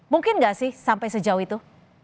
mungkin nggak sih sampai sejauh itu